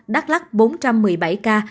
đắk lắc bốn trăm một mươi bảy ca